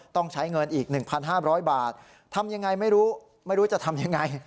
ต้องใช้เงินอีก๑๕๐๐บาททำยังไงไม่รู้ไม่รู้จะทำยังไง